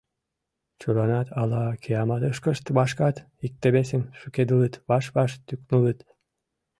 Чыланат ала кияматышкышт вашкат, икте-весым шӱкедылыт, ваш-ваш тӱкнылыт.